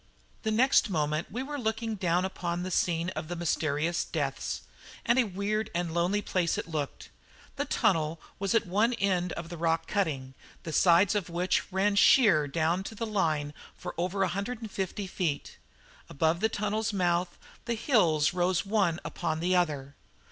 The next moment we were looking down upon the scene of the mysterious deaths, and a weird and lonely place it looked. The tunnel was at one end of the rock cutting, the sides of which ran sheer down to the line for over a hundred and fifty feet. Above the tunnel's mouth the hills rose one upon the other.